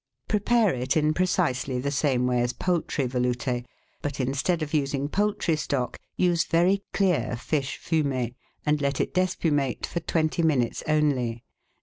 Prepare it in precisely the same way as poultry velout^, but instead of using poultry stock, use very clear fish fumet, and let it despumate for twenty minutes only.